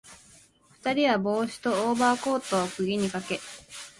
二人は帽子とオーバーコートを釘にかけ、